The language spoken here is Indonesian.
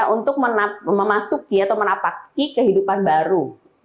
untuk memasuki atau menapaki kehidupan baru